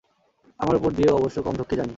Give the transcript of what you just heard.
আমার উপর দিয়েও অবশ্য কম ঝক্কি যায়নি।